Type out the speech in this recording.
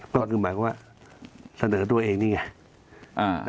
ก็หมายว่าเสนอตัวเองนี่ไง